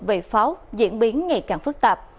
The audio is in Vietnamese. về pháo diễn biến ngày càng phức tạp